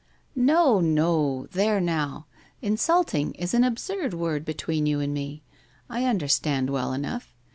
'' Xo, no, there now ! Insulting is an absurd word be tween you and me. I understand well enough.